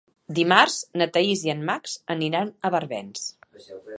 Dimarts na Thaís i en Max aniran a Barbens.